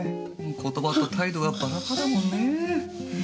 言葉と態度がバラバラだもんね。